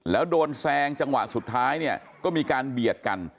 แล้วโดนแซงจังหวะสุดท้ายเนี่ยก็มีการเบียดกัน